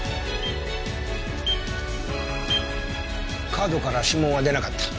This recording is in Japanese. カードから指紋は出なかった。